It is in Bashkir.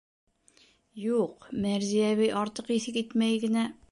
Юҡ, Мәрзиә әбей артыҡ иҫе китмәй генә: